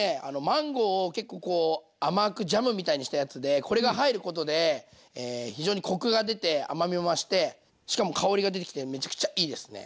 マンゴーを結構こう甘くジャムみたいにしたやつでこれが入ることで非常にコクが出て甘みも増してしかも香りが出てきてめちゃくちゃいいですね。